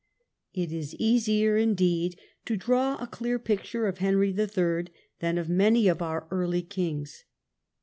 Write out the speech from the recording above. It is easier indeed to draw a clear picture of Henry III. than of many of our early kings.